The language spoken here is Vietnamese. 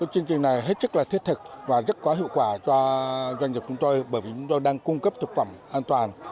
chương trình này hết sức là thiết thực và rất có hiệu quả cho doanh nghiệp chúng tôi bởi vì chúng tôi đang cung cấp thực phẩm an toàn